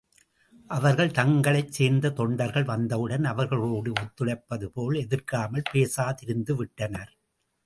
அவர்கள் தங்களைச் சேர்ந்த தொண்டர்கள் வந்தவுடன் அவர்களோடு ஒத்துழைப்பதுபோல், எதிர்க்காமல் பேசாதிருந்துவிட்டனர்.